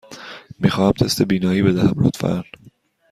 می خواهم تست بینایی بدهم، لطفاً.